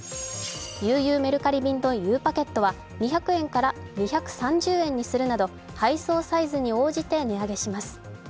ゆうゆうメルカリ便とゆうパケットは２００円から２３０円にするなど配送サイズに応じて値上げします。